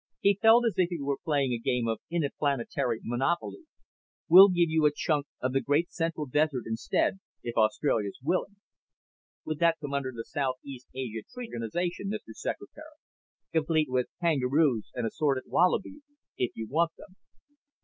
He felt as if he were playing a game of interplanetary Monopoly. "Well give you a chunk of the great central desert instead, if Australia's willing. (Would that come under the South East Asia Treaty Organization, Mr. Secretary?) Complete with kangaroos and assorted wallabies, if you want them."